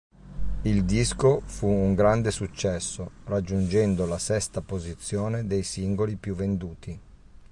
Il disco fu un grande successo, raggiungendo la sesta posizione dei singoli più venduti..